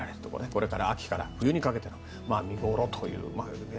これから秋から冬にかけて見ごろというね。